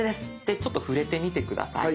でちょっと触れてみて下さい。